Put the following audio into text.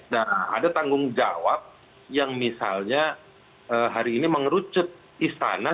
nah ada tanggung jawab yang misalnya hari ini mengerucut istana